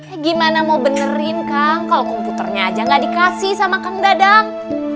eh gimana mau benerin kang kalau komputernya aja gak dikasih sama kang dadang